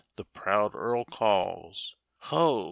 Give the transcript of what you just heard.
" the proud earl calls ;" Ho